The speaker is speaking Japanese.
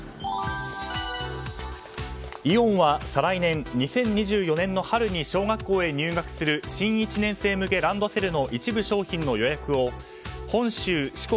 イオンは再来年２０２４年の春に小学校へ入学する新１年生向けランドセルの一部商品の予約を本州、四国、